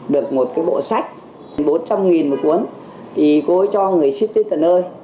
được một cái bộ sách bốn trăm linh một cuốn thì cô ấy cho người ship tới tận nơi